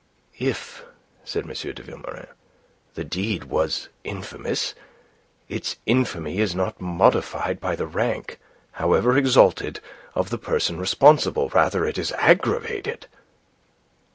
"If," said M. de Vilmorin, "the deed was infamous, its infamy is not modified by the rank, however exalted, of the person responsible. Rather is it aggravated."